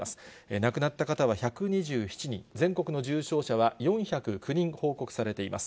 亡くなった方は１２７人、全国の重症者は４０９人報告されています。